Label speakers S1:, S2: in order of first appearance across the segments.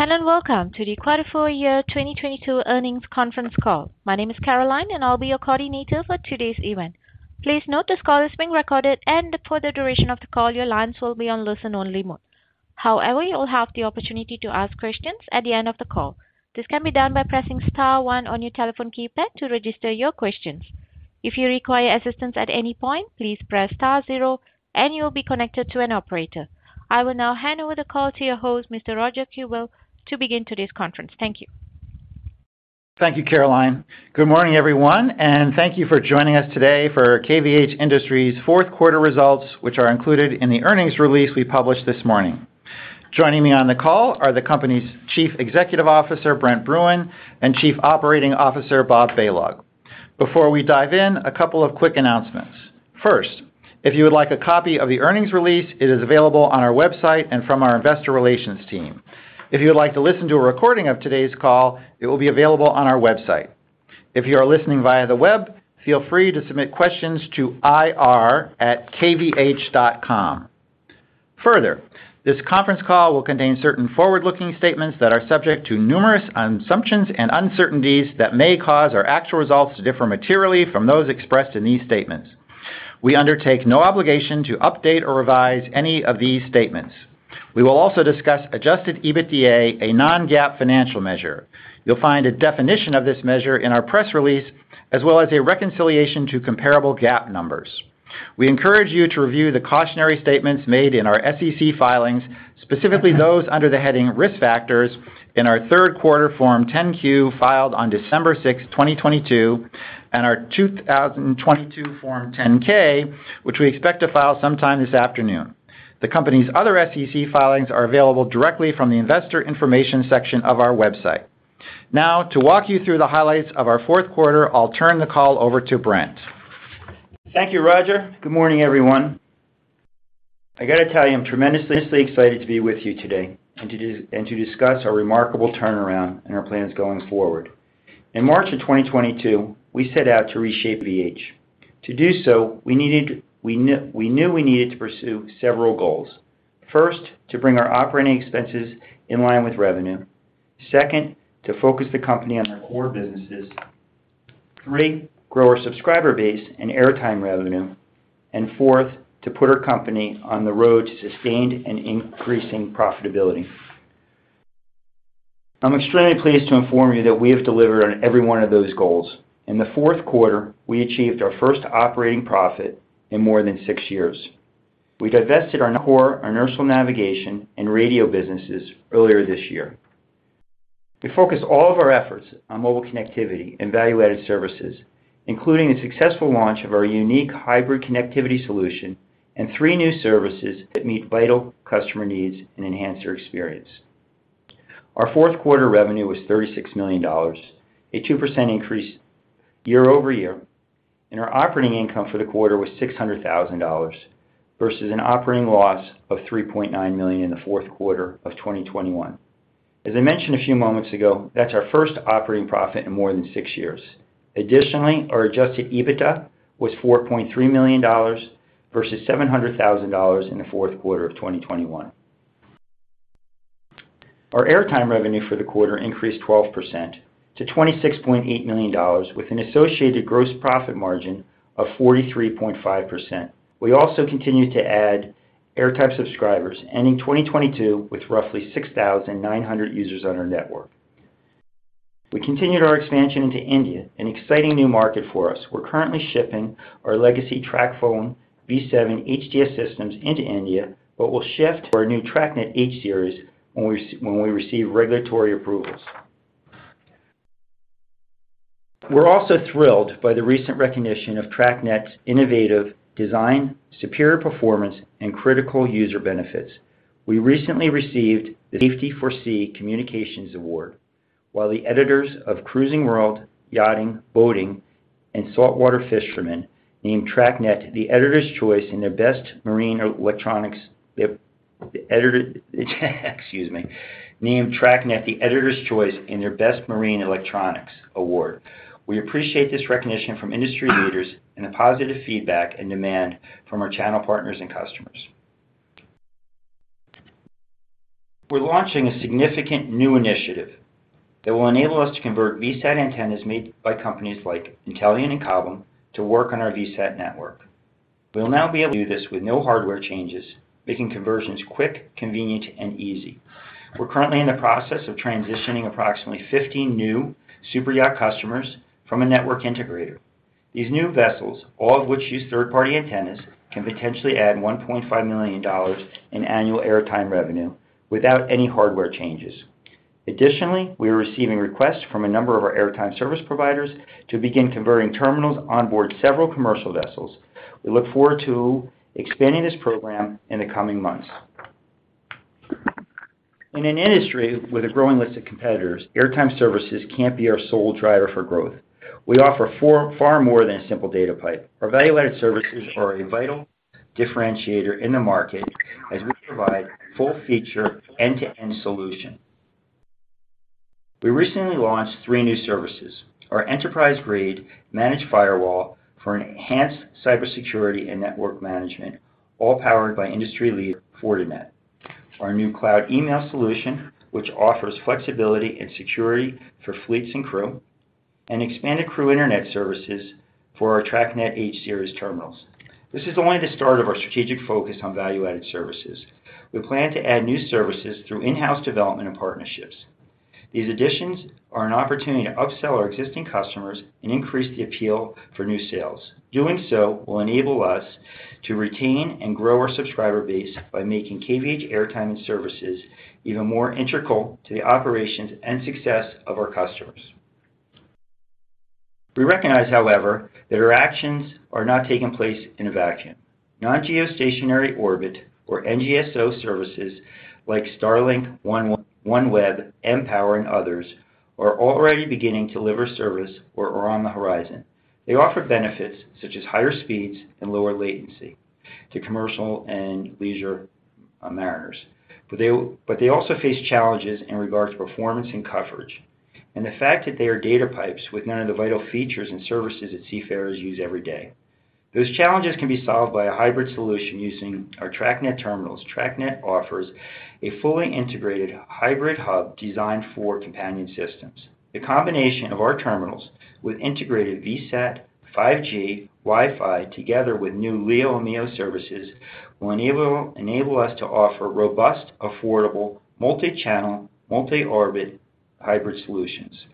S1: Hello. Welcome to the Q4 full-year 2022 earnings conference call. My name is Caroline, and I'll be your coordinator for today's event. Please note this call is being recorded, and for the duration of the call, your lines will be on listen-only mode. However, you will have the opportunity to ask questions at the end of the call. This can be done by pressing star one on your telephone keypad to register your questions. If you require assistance at any point, please press star zero, and you'll be connected to an operator. I will now hand over the call to your host, Mr. Roger Kuebel, to begin today's conference. Thank you.
S2: Thank you, Caroline. Good morning, everyone, and thank you for joining us today for KVH Industries' fourth quarter results, which are included in the earnings release we published this morning. Joining me on the call are the company's Chief Executive Officer, Brent Bruun, and Chief Operating Officer, Bob Balog. Before we dive in, a couple of quick announcements. If you would like a copy of the earnings release, it is available on our website and from our investor relations team. If you would like to listen to a recording of today's call, it will be available on our website. If you are listening via the web, feel free to submit questions to ir@kvh.com. This conference call will contain certain forward-looking statements that are subject to numerous assumptions and uncertainties that may cause our actual results to differ materially from those expressed in these statements. We undertake no obligation to update or revise any of these statements. We will also discuss adjusted EBITDA, a non-GAAP financial measure. You'll find a definition of this measure in our press release, as well as a reconciliation to comparable GAAP numbers. We encourage you to review the cautionary statements made in our SEC filings, specifically those under the heading Risk Factors in our third quarter Form 10-Q filed on December 6, 2022, and our 2022 Form 10-K, which we expect to file sometime this afternoon. The company's other SEC filings are available directly from the investor information section of our website. Now, to walk you through the highlights of our fourth quarter, I'll turn the call over to Brent.
S3: Thank you, Roger. Good morning, everyone. I gotta tell you, I'm tremendously excited to be with you today and to discuss our remarkable turnaround and our plans going forward. In March of 2022, we set out to reshape KVH. To do so, we knew we needed to pursue several goals. First, to bring our operating expenses in line with revenue. Second, to focus the company on our core businesses. Three, grow our subscriber base and airtime revenue. Fourth, to put our company on the road to sustained and increasing profitability. I'm extremely pleased to inform you that we have delivered on every one of those goals. In the fourth quarter, we achieved our first operating profit in more than six years. We divested our core inertial navigation and radio businesses earlier this year. We focused all of our efforts on mobile connectivity and value-added services, including the successful launch of our unique hybrid connectivity solution and three new services that meet vital customer needs and enhance their experience. Our fourth quarter revenue was $36 million, a 2% increase year-over-year. Our operating income for the quarter was $600,000 versus an operating loss of $3.9 million in the fourth quarter of 2021. As I mentioned a few moments ago, that's our first operating profit in more than six years. Additionally, our adjusted EBITDA was $4.3 million versus $700,000 in the fourth quarter of 2021. Our airtime revenue for the quarter increased 12% to $26.8 million with an associated gross profit margin of 43.5%. We also continued to add airtime subscribers, ending 2022 with roughly 6,900 users on our network. We continued our expansion into India, an exciting new market for us. We're currently shipping our legacy TracPhone V7-HTS systems into India, but we'll shift to our new TracNet H-series when we receive regulatory approvals. We're also thrilled by the recent recognition of TracNet's innovative design, superior performance, and critical user benefits. We recently received the SMART4SEA Connectivity Award, while the editors of Cruising World, Yachting, Boating, and Salt Water Sportsman named TracNet the editor's choice in their best marine electronics award. We appreciate this recognition from industry leaders and the positive feedback and demand from our channel partners and customers. We're launching a significant new initiative that will enable us to convert VSAT antennas made by companies like Intellian and Cobham to work on our VSAT network. We'll now be able to do this with no hardware changes, making conversions quick, convenient, and easy. We're currently in the process of transitioning approximately 50 new super yacht customers from a network integrator. These new vessels, all of which use third-party antennas, can potentially add $1.5 million in annual airtime revenue without any hardware changes. We are receiving requests from a number of our airtime service providers to begin converting terminals onboard several commercial vessels. We look forward to expanding this program in the coming months. In an industry with a growing list of competitors, airtime services can't be our sole driver for growth. We offer far more than a simple data pipe. Our value-added services are a vital differentiator in the market as we provide full feature end-to-end solution. We recently launched 3 new services. Our enterprise-grade managed firewall for enhanced cybersecurity and network management, all powered by industry leader Fortinet. Our new cloud email solution, which offers flexibility and security for fleets and crew, and expanded crew internet services for our TracNet H-series terminals. This is only the start of our strategic focus on value-added services. We plan to add new services through in-house development and partnerships. These additions are an opportunity to upsell our existing customers and increase the appeal for new sales. Doing so will enable us to retain and grow our subscriber base by making KVH airtime and services even more integral to the operations and success of our customers. We recognize, however, that our actions are not taking place in a vacuum. Non-geostationary orbit or NGSO services like Starlink, OneWeb, mPOWER, and others are already beginning to deliver service or are on the horizon. They offer benefits such as higher speeds and lower latency to commercial and leisure mariners. They also face challenges in regards to performance and coverage, and the fact that they are data pipes with none of the vital features and services that seafarers use every day. Those challenges can be solved by a hybrid solution using our TracNet terminals. TracNet offers a fully integrated hybrid hub designed for companion systems. The combination of our terminals with integrated VSAT, 5G, Wi-Fi, together with new LEO and MEO services, will enable us to offer robust, affordable, multi-channel, multi-orbit hybrid solutions.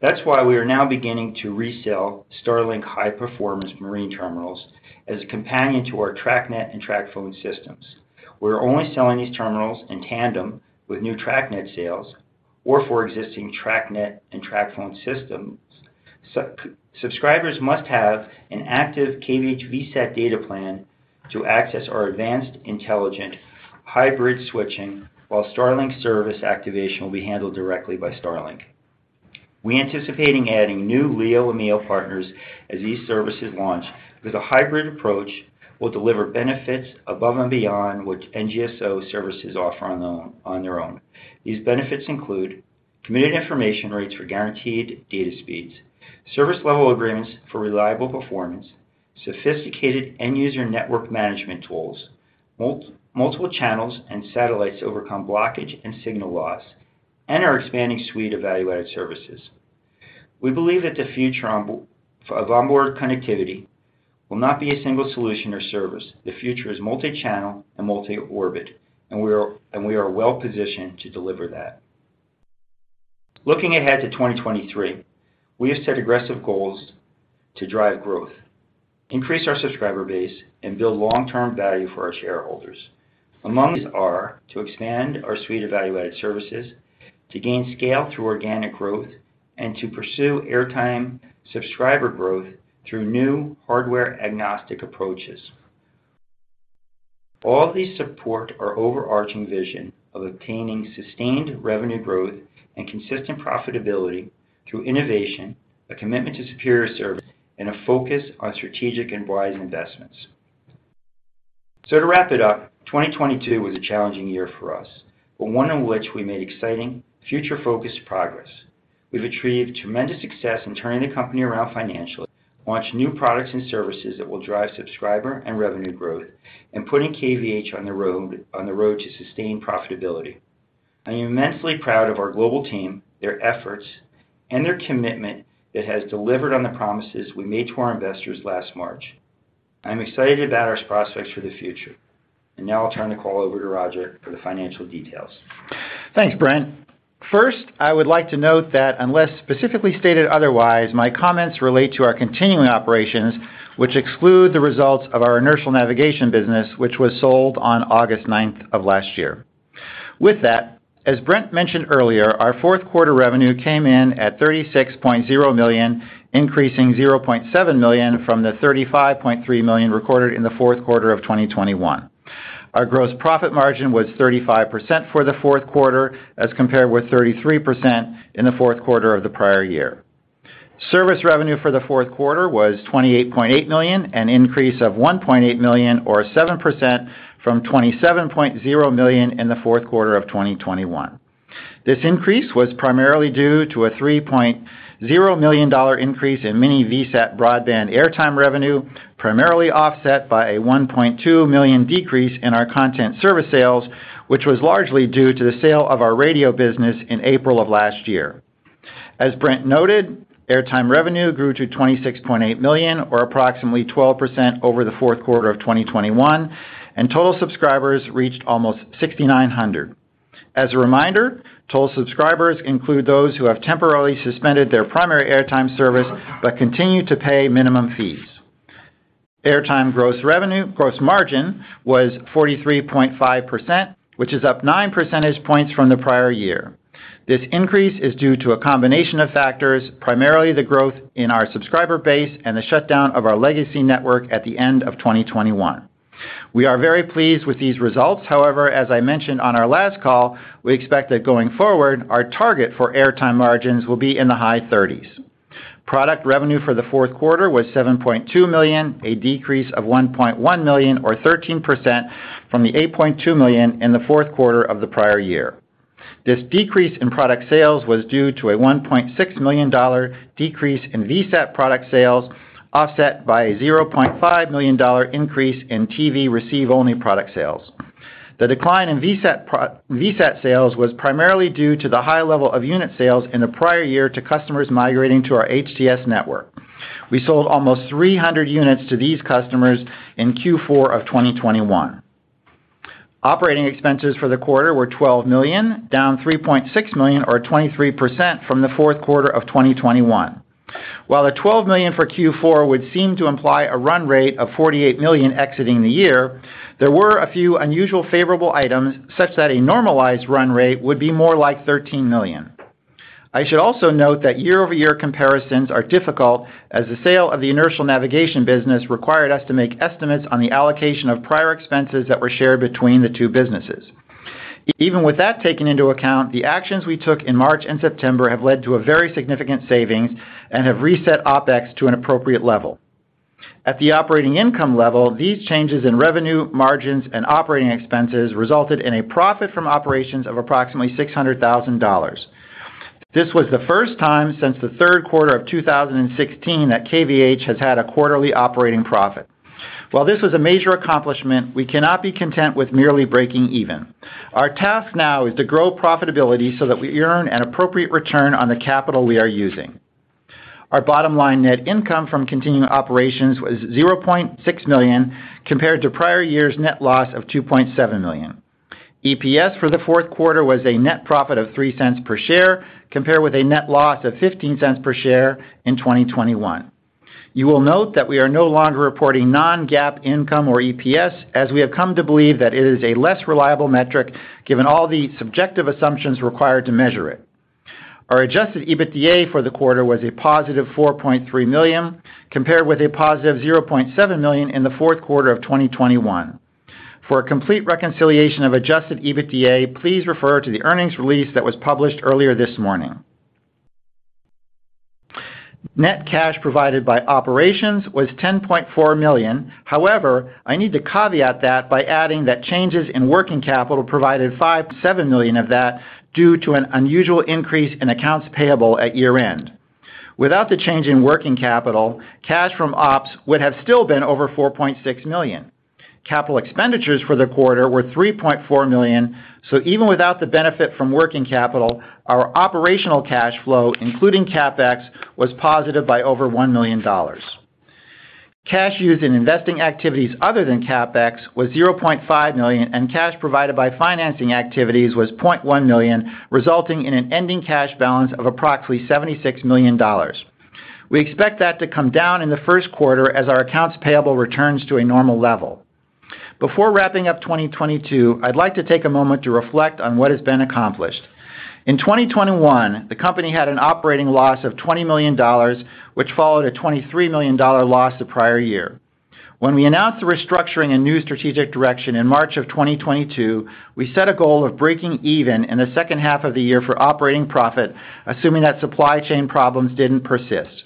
S3: That's why we are now beginning to resell Starlink high-performance marine terminals as a companion to our TracNet and TracPhone systems. We're only selling these terminals in tandem with new TracNet sales or for existing TracNet and TracPhone systems. Subscribers must have an active KVH VSAT data plan to access our advanced intelligent hybrid switching, while Starlink service activation will be handled directly by Starlink. We're anticipating adding new LEO and MEO partners as these services launch, with a hybrid approach will deliver benefits above and beyond what NGSO services offer on their own. These benefits include committed information rates for guaranteed data speeds, service level agreements for reliable performance, sophisticated end-user network management tools, multiple channels and satellites to overcome blockage and signal loss, and our expanding suite of value-added services. We believe that the future of onboard connectivity will not be a single solution or service. The future is multi-channel and multi-orbit, and we are well-positioned to deliver that. Looking ahead to 2023, we have set aggressive goals to drive growth, increase our subscriber base, and build long-term value for our shareholders. Among these are to expand our suite of value-added services, to gain scale through organic growth, and to pursue airtime subscriber growth through new hardware-agnostic approaches. All these support our overarching vision of obtaining sustained revenue growth and consistent profitability through innovation, a commitment to superior service, and a focus on strategic and wise investments. To wrap it up, 2022 was a challenging year for us, but one in which we made exciting, future-focused progress. We've achieved tremendous success in turning the company around financially, launched new products and services that will drive subscriber and revenue growth, and putting KVH on the road to sustained profitability. I am immensely proud of our global team, their efforts, and their commitment that has delivered on the promises we made to our investors last March. I'm excited about our prospects for the future. Now I'll turn the call over to Roger for the financial details.
S2: Thanks, Brent. I would like to note that unless specifically stated otherwise, my comments relate to our continuing operations, which exclude the results of our inertial navigation business, which was sold on August ninth of last year. As Brent mentioned earlier, our fourth quarter revenue came in at $36.0 million, increasing $0.7 million from the $35.3 million recorded in the fourth quarter of 2021. Our gross profit margin was 35% for the fourth quarter as compared with 33% in the fourth quarter of the prior year. Service revenue for the fourth quarter was $28.8 million, an increase of $1.8 million or 7% from $27.0 million in the fourth quarter of 2021. This increase was primarily due to a $3.0 million increase in mini-VSAT Broadband airtime revenue, primarily offset by a $1.2 million decrease in our content service sales, which was largely due to the sale of our radio business in April of last year. As Brent noted, airtime revenue grew to $26.8 million or approximately 12% over the fourth quarter of 2021, and total subscribers reached almost 6,900. As a reminder, total subscribers include those who have temporarily suspended their primary airtime service but continue to pay minimum fees. Airtime gross margin was 43.5%, which is up 9 percentage points from the prior year. This increase is due to a combination of factors, primarily the growth in our subscriber base and the shutdown of our legacy network at the end of 2021. We are very pleased with these results. However, as I mentioned on our last call, we expect that going forward, our target for airtime margins will be in the high thirties. Product revenue for the fourth quarter was $7.2 million, a decrease of $1.1 million or 13% from the $8.2 million in the fourth quarter of the prior year. This decrease in product sales was due to a $1.6 million decrease in VSAT product sales, offset by a $0.5 million increase in TV receive-only product sales. The decline in VSAT sales was primarily due to the high level of unit sales in the prior year to customers migrating to our HTS network. We sold almost 300 units to these customers in Q4 of 2021. Operating expenses for the quarter were $12 million, down $3.6 million or 23% from the fourth quarter of 2021. While the $12 million for Q4 would seem to imply a run rate of $48 million exiting the year, there were a few unusual favorable items such that a normalized run rate would be more like $13 million. I should also note that year-over-year comparisons are difficult as the sale of the inertial navigation business required us to make estimates on the allocation of prior expenses that were shared between the two businesses. Even with that taken into account, the actions we took in March and September have led to a very significant savings and have reset OpEx to an appropriate level. At the operating income level, these changes in revenue, margins, and operating expenses resulted in a profit from operations of approximately $600,000. This was the first time since the third quarter of 2016 that KVH has had a quarterly operating profit. While this was a major accomplishment, we cannot be content with merely breaking even. Our task now is to grow profitability so that we earn an appropriate return on the capital we are using. Our bottom line net income from continuing operations was $0.6 million, compared to prior year's net loss of $2.7 million. EPS for the fourth quarter was a net profit of $0.03 per share, compared with a net loss of $0.15 per share in 2021. You will note that we are no longer reporting non-GAAP income or EPS, as we have come to believe that it is a less reliable metric given all the subjective assumptions required to measure it. Our adjusted EBITDA for the quarter was a positive $4.3 million, compared with a positive $0.7 million in the fourth quarter of 2021. For a complete reconciliation of adjusted EBITDA, please refer to the earnings release that was published earlier this morning. I need to caveat that by adding that changes in working capital provided $5.7 million of that due to an unusual increase in accounts payable at year-end. Without the change in working capital, cash from ops would have still been over $4.6 million. Capital expenditures for the quarter were $3.4 million, so even without the benefit from working capital, our operational cash flow, including CapEx, was positive by over $1 million. Cash used in investing activities other than CapEx was $0.5 million, and cash provided by financing activities was $0.1 million, resulting in an ending cash balance of approximately $76 million. We expect that to come down in the first quarter as our accounts payable returns to a normal level. Before wrapping up 2022, I'd like to take a moment to reflect on what has been accomplished. In 2021, the company had an operating loss of $20 million, which followed a $23 million loss the prior year. When we announced the restructuring and new strategic direction in March of 2022, we set a goal of breaking even in the second half of the year for operating profit, assuming that supply chain problems didn't persist.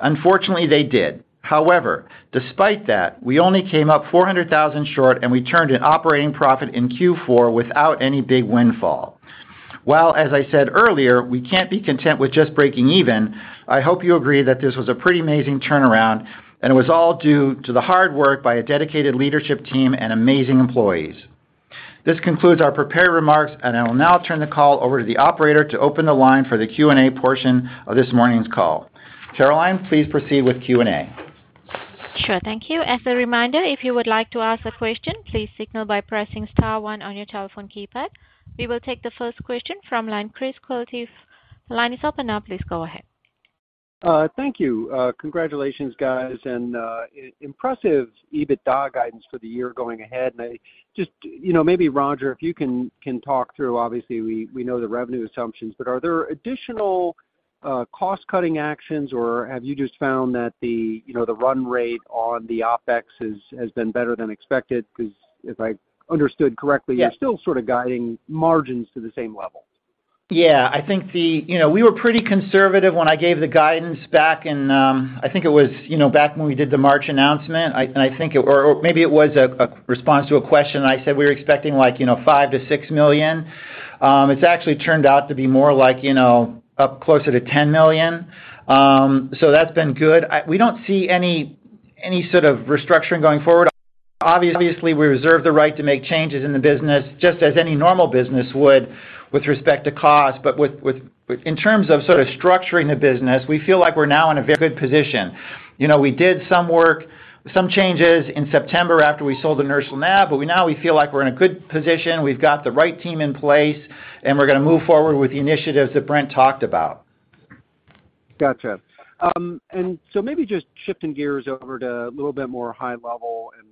S2: Unfortunately, they did. However, despite that, we only came up $400,000 short, and we turned an operating profit in Q4 without any big windfall. While, as I said earlier, we can't be content with just breaking even, I hope you agree that this was a pretty amazing turnaround, and it was all due to the hard work by a dedicated leadership team and amazing employees. This concludes our prepared remarks, and I will now turn the call over to the operator to open the line for the Q&A portion of this morning's call. Caroline, please proceed with Q&A.
S1: Sure. Thank you. As a reminder, if you would like to ask a question, please signal by pressing star one on your telephone keypad. We will take the first question from line Chris Quilty. Line is open now. Please go ahead.
S4: Thank you. Congratulations, guys, and, impressive EBITDA guidance for the year going ahead. I just, you know, maybe Roger, if you can talk through, obviously we know the revenue assumptions, but are there additional, cost-cutting actions, or have you just found that the, you know, the run rate on the OpEx has been better than expected? Because if I understood correctly-
S2: Yeah.
S4: You're still sort of guiding margins to the same level.
S2: Yeah. I think the, you know, we were pretty conservative when I gave the guidance back in, I think it was, you know, back when we did the March announcement. I think it or maybe it was a response to a question, and I said we were expecting like, you know, $5 million-$6 million. It's actually turned out to be more like, you know, up closer to $10 million. That's been good. We don't see any sort of restructuring going forward. Obviously, we reserve the right to make changes in the business, just as any normal business would with respect to cost. With in terms of sort of structuring the business, we feel like we're now in a very good position. You know, we did some work, some changes in September after we sold inertial nav. We now feel like we're in a good position. We've got the right team in place, and we're gonna move forward with the initiatives that Brent talked about.
S4: Gotcha. Maybe just shifting gears over to a little bit more high level and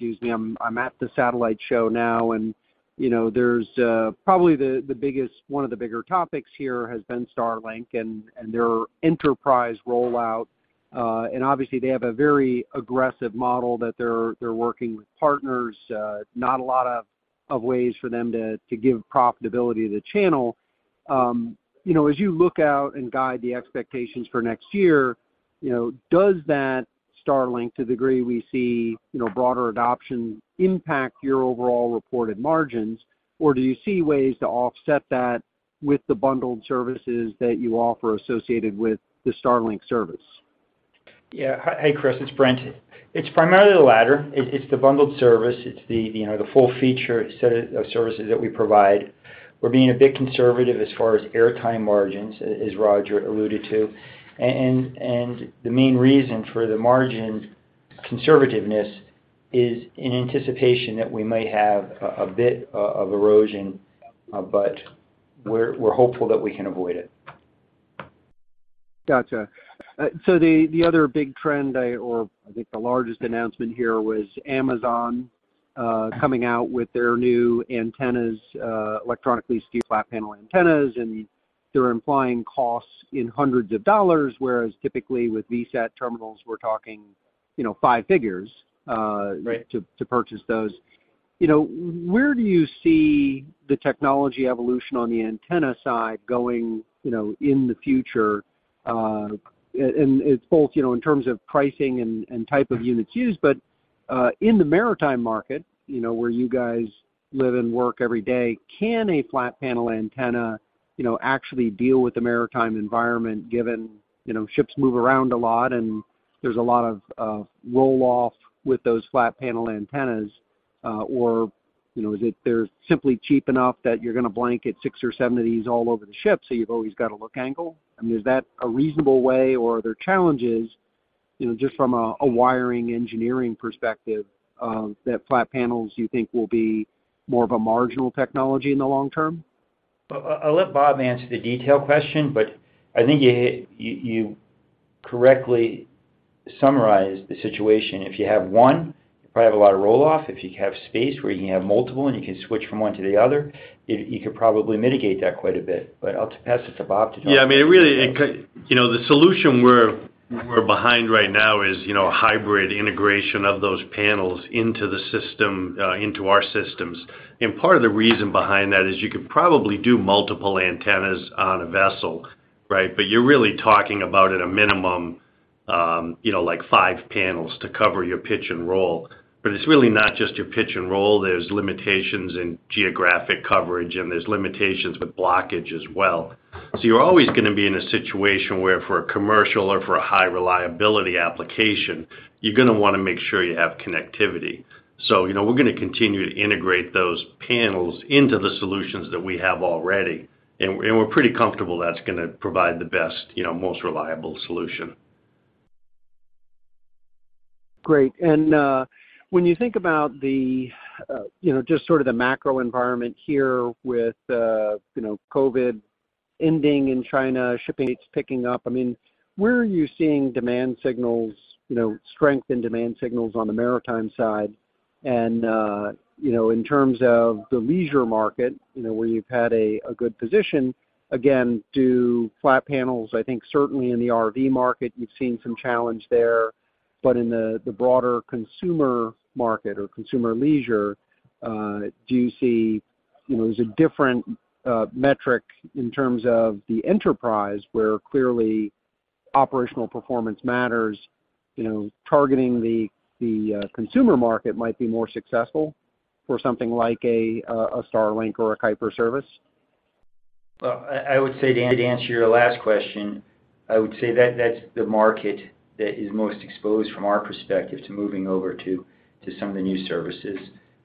S4: excuse me, I'm at the satellite show now, and, you know, there's probably one of the bigger topics here has been Starlink and their enterprise rollout. Obviously they have a very aggressive model that they're working with partners. Not a lot of ways for them to give profitability to the channel. You know, as you look out and guide the expectations for next year, you know, does that Starlink, to the degree we see, you know, broader adoption, impact your overall reported margins? Or do you see ways to offset that with the bundled services that you offer associated with the Starlink service?
S3: Yeah. Hi, Chris. It's Brent. It's primarily the latter. It's the bundled service. It's the, you know, the full feature set of services that we provide. We're being a bit conservative as far as airtime margins, as Roger alluded to. The main reason for the margin conservativeness is in anticipation that we may have a bit of erosion, but we're hopeful that we can avoid it.
S4: Gotcha. The, the other big trend I think the largest announcement here was Amazon coming out with their new antennas, electronically steep flat panel antennas, and they're implying costs in hundreds of dollars, whereas typically with VSAT terminals we're talking, you know, 5 figures.
S3: Right...
S4: to purchase those. You know, where do you see the technology evolution on the antenna side going, you know, in the future, and it's both, you know, in terms of pricing and type of units used. In the maritime market, you know, where you guys live and work every day, can a flat panel antenna, you know, actually deal with the maritime environment given, you know, ships move around a lot and there's a lot of roll-off with those flat panel antennas, or, you know, is it they're simply cheap enough that you're gonna blanket six or seven of these all over the ship, so you've always got a look angle? I mean, is that a reasonable way or are there challenges, you know, just from a wiring engineering perspective, that flat panels, you think will be more of a marginal technology in the long term?
S3: I'll let Bob answer the detail question, but I think you correctly summarized the situation. If you have one, you probably have a lot of roll-off. If you have space where you can have multiple and you can switch from one to the other, you could probably mitigate that quite a bit. I'll pass it to Bob.
S5: Yeah. I mean, it really it You know, the solution we're behind right now is, you know, a hybrid integration of those panels into the system, into our systems. Part of the reason behind that is you could probably do multiple antennas on a vessel, right? You're really talking about at a minimum, you know, like five panels to cover your pitch and roll. It's really not just your pitch and roll, there's limitations in geographic coverage, and there's limitations with blockage as well. You're always gonna be in a situation where for a commercial or for a high reliability application, you're gonna wanna make sure you have connectivity. You know, we're gonna continue to integrate those panels into the solutions that we have already, and we're pretty comfortable that's gonna provide the best, you know, most reliable solution.
S4: Great. When you think about the, you know, just sort of the macro environment here with, you know, COVID ending in China, shipping rates picking up, I mean, where are you seeing demand signals, you know, strength in demand signals on the maritime side? In terms of the leisure market, you know, where you've had a good position, again, do flat panels, I think certainly in the RV market, you've seen some challenge there. In the broader consumer market or consumer leisure, do you see, you know, as a different metric in terms of the enterprise, where clearly operational performance matters, you know, targeting the consumer market might be more successful for something like a Starlink or a Kuiper service?
S3: Well, I would say, Dan, to answer your last question, I would say that that's the market that is most exposed from our perspective to moving over to some of the new services.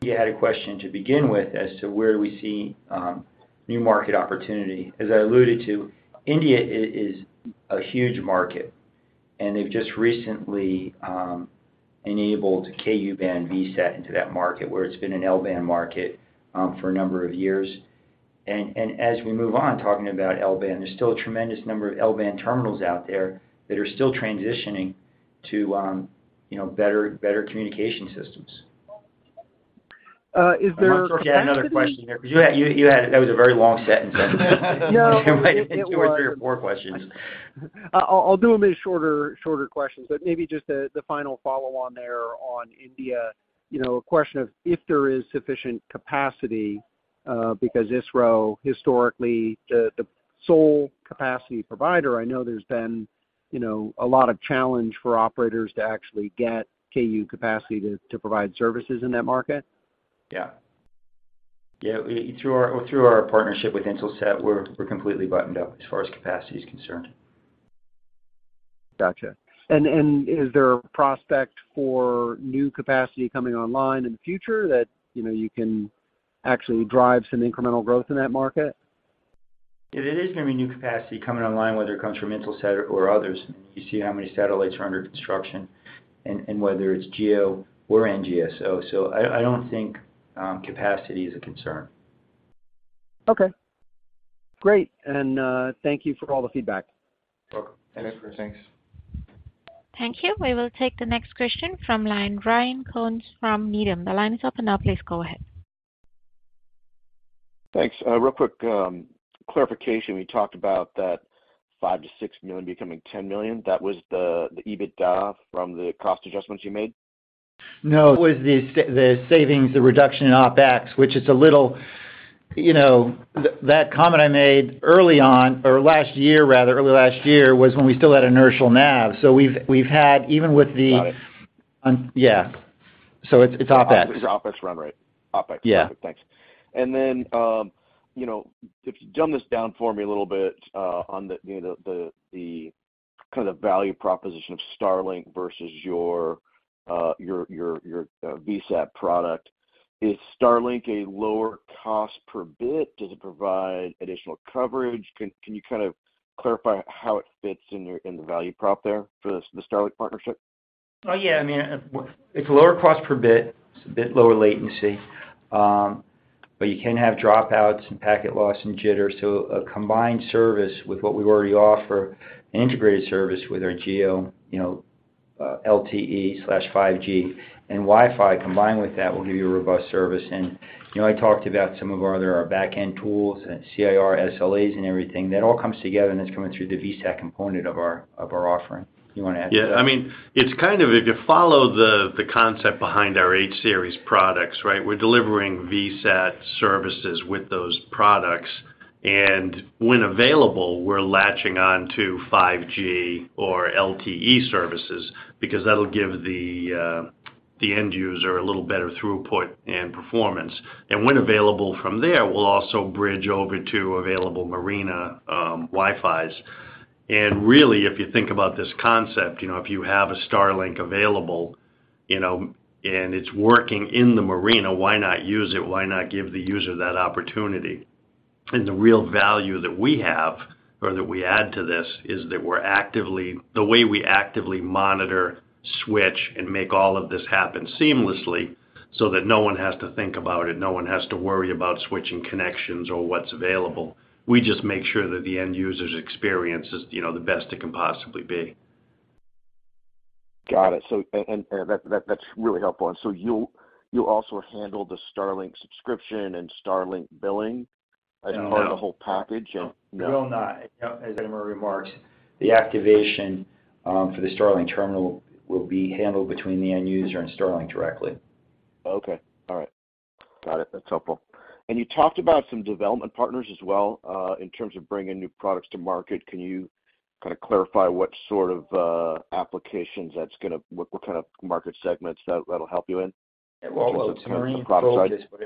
S3: You had a question to begin with as to where do we see new market opportunity. As I alluded to, India is a huge market, and they've just recently enabled Ku-band VSAT into that market, where it's been an L-band market for a number of years. As we move on, talking about L-band, there's still a tremendous number of L-band terminals out there that are still transitioning to, you know, better communication systems.
S4: Uh, is there-
S3: I'm not sure if you had another question there? You had, you had. That was a very long sentence.
S4: No, it was.
S3: It might have been two or three or four questions.
S4: I'll do them in shorter questions, but maybe just the final follow on there on India, you know, a question of if there is sufficient capacity, because ISRO historically the sole capacity provider, I know there's been, you know, a lot of challenge for operators to actually get Ku capacity to provide services in that market.
S3: Yeah. Yeah. Through our partnership with Intelsat, we're completely buttoned up as far as capacity is concerned.
S4: Gotcha. Is there a prospect for new capacity coming online in the future that, you know, you can actually drive some incremental growth in that market?
S3: It is gonna be new capacity coming online, whether it comes from Intelsat or others. You see how many satellites are under construction and whether it's GEO or NGSO. I don't think capacity is a concern.
S4: Okay. Great, thank you for all the feedback.
S3: Welcome.
S5: Thanks.
S3: Thanks.
S1: Thank you. We will take the next question from line Ryan Koontz from Needham. The line is open now. Please go ahead.
S6: Thanks. real quick, clarification. We talked about that $5 million-$6 million becoming $10 million. That was the EBITDA from the cost adjustments you made?
S3: No. It was the savings, the reduction in OpEx, which is a little, you know. That comment I made early on or last year rather, early last year, was when we still had inertial nav. We've had even with.
S6: Got it.
S3: Yeah. It's OpEx.
S6: OpEx run rate. OpEx.
S3: Yeah.
S6: Thanks. Then, you know, if you dumb this down for me a little bit, on the, you know, the kind of value proposition of Starlink versus your, your, VSAT product. Is Starlink a lower cost per bit? Does it provide additional coverage? Can you kind of clarify how it fits in your, in the value prop there for the Starlink partnership?
S3: Oh, yeah. I mean, it's lower cost per bit. It's a bit lower latency. You can have dropouts and packet loss and jitters. A combined service with what we already offer, an integrated service with our GEO, you know, LTE/5G and Wi-Fi combined with that will give you a robust service. I talked about some of our other backend tools and CIR, SLAs and everything. That all comes together and it's coming through the VSAT component of our, of our offering. You wanna add to that?
S5: Yeah. I mean, it's kind of if you follow the concept behind our H-series products, right? We're delivering VSAT services with those products. When available, we're latching on to 5G or LTE services because that'll give the end user a little better throughput and performance. When available from there, we'll also bridge over to available marina Wi-Fis. Really, if you think about this concept, you know, if you have a Starlink available, you know, and it's working in the marina, why not use it? Why not give the user that opportunity? The real value that we have or that we add to this is that the way we actively monitor, switch, and make all of this happen seamlessly so that no one has to think about it, no one has to worry about switching connections or what's available. We just make sure that the end user's experience is, you know, the best it can possibly be.
S6: Got it. And that's really helpful. You'll also handle the Starlink subscription and Starlink billing.
S5: No.
S3: No.
S6: as part of the whole package? No.
S5: We will not. As Edward remarked, the activation, for the Starlink terminal will be handled between the end user and Starlink directly.
S6: Okay. All right. Got it. That's helpful. You talked about some development partners as well, in terms of bringing new products to market. Can you kinda clarify what sort of applications? What kind of market segments that'll help you in terms of kind of the product side?
S3: Well, marine focus, but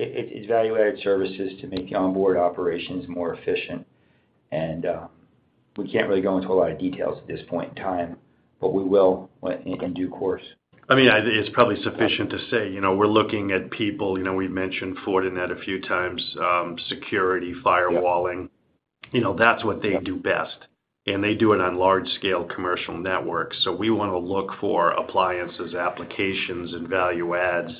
S3: it's value-added services to make onboard operations more efficient. We can't really go into a lot of details at this point in time, but we will in due course.
S5: I mean, It's probably sufficient to say, you know, we're looking at people. You know, we've mentioned Fortinet a few times, security, firewalling.
S6: Yeah.
S5: You know, that's what they do best, and they do it on large scale commercial networks. We wanna look for appliances, applications, and value adds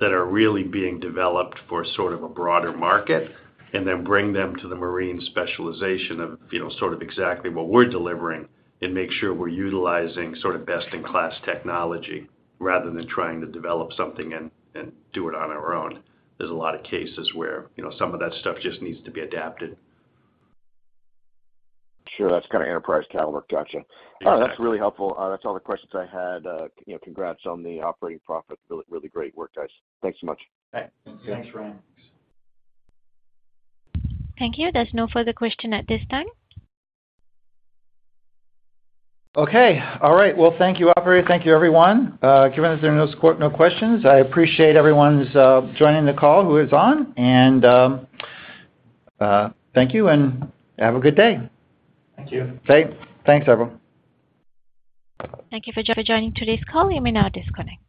S5: that are really being developed for sort of a broader market, and then bring them to the marine specialization of, you know, sort of exactly what we're delivering and make sure we're utilizing sort of best in class technology rather than trying to develop something and do it on our own. There's a lot of cases where, you know, some of that stuff just needs to be adapted.
S6: Sure. That's kinda enterprise caliber. Gotcha.
S5: Yeah.
S6: That's really helpful. That's all the questions I had. You know, congrats on the operating profit. Really, really great work, guys. Thanks so much.
S3: Thanks.
S5: Thanks, Ryan.
S1: Thank you. There's no further question at this time.
S3: Okay. All right. Well, thank you, operator. Thank you, everyone. Given that there are no questions, I appreciate everyone's joining the call who is on, and thank you, and have a good day.
S5: Thank you.
S3: Take care. Thanks, everyone.
S1: Thank you for joining today's call. You may now disconnect.